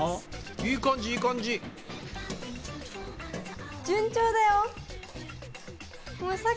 いい感じいい感じ。ね。